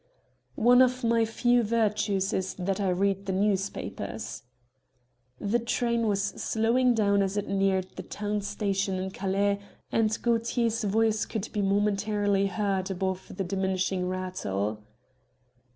"One of my few virtues is that I read the newspapers." The train was slowing down as it neared the town station in Calais, and Gaultier's voice could be momentarily heard above the diminishing rattle.